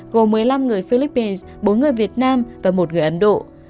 gồm một mươi năm người philippines bốn người việt nam và một người ấn độ